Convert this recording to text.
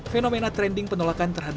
fenomena trending penolakan terhadap